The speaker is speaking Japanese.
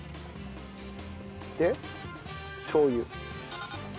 でしょう油。